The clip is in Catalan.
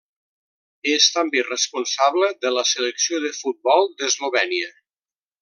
És també responsable de la Selecció de futbol d'Eslovènia.